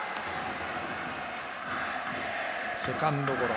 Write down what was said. セカンドゴロ。